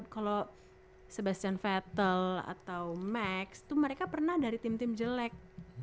kalo sebastian vettel atau max tuh mereka pernah dari tim tim jelek